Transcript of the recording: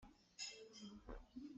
Aa toidor ruangah a min a ṭha ngai.